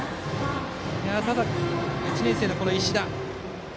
ただ１年生の石田。